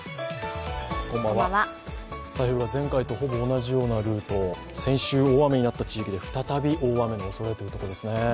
台風が前回とほぼ同じようなルート、先週大雨になった地域で、再び大雨のおそれというところですね。